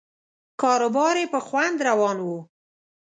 کاروبار یې په خوند روان و.